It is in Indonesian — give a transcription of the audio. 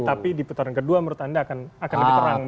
tapi di putaran kedua menurut anda akan lebih terang